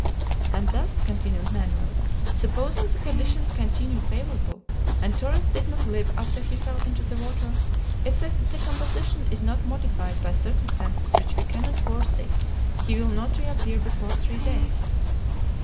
"And thus," continued Manoel, "supposing the conditions continue favorable, and Torres did not live after he fell into the water, if the decomposition is not modified by circumstances which we cannot foresee, he will not reappear before three days."